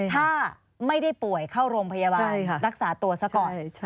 ถ้าไม่ได้ป่วยเข้าโรงพยาบาลรักษาตัวซะก่อน